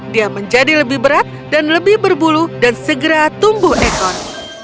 dia menjadi lebih berat dan lebih berbulu dan segera tumbuh ekor